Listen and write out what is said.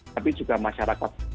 tapi juga masyarakat